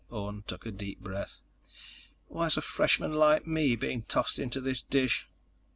Orne took a deep breath. "Why's a freshman like me being tossed into this dish?"